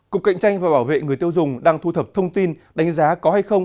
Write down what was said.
cục cạnh tranh và bảo vệ người tiêu dùng đang thu thập thông tin đánh giá có hay không